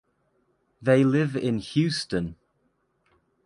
They live in Houston.